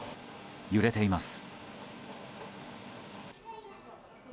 揺れています。